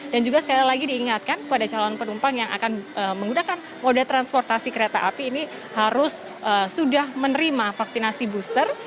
dan juga sekali lagi diingatkan kepada calon penumpang yang akan menggunakan mode transportasi kereta api ini harus sudah menerima vaksinasi booster